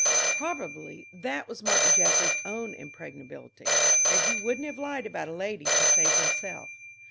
Probably that was Martin Jaffry's own impregnability that he wouldn't have lied about a lady to save himself.